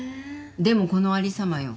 でもこのありさまよ。